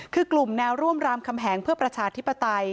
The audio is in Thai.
คือกลุ่มแนวร่วมรามคำแหงเพื่อประชาธิปไตย